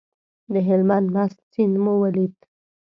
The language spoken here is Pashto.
د هلمند مست سیند مو ولید.